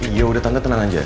yaudah tante tenang aja